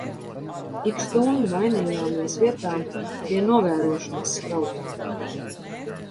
Ik stundu mainījāmies vietām pie novērošanas spraugām.